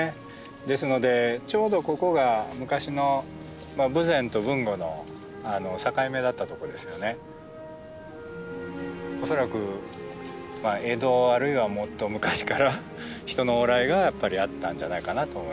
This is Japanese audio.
ですのでちょうどここが昔の恐らく江戸あるいはもっと昔から人の往来がやっぱりあったんじゃないかなと思いますね。